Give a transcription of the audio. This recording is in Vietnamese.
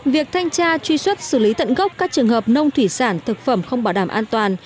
việc thanh tra truy xuất xử lý tận gốc các trường hợp nông thủy sản thực phẩm không bảo đảm an toàn